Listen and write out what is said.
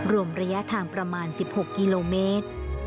รวมระยะทางประมาณ๑๖กิโลเมตร